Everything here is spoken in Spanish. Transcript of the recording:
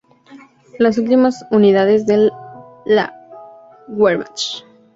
Las últimas unidades de la Wehrmacht en los Balcanes iniciarían su repliegue definitivo.